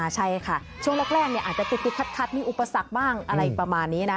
ใช่ค่ะช่วงแรกอาจจะติดคัดมีอุปสรรคบ้างอะไรประมาณนี้นะ